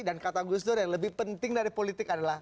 dan kata gus dur yang lebih penting dari politik adalah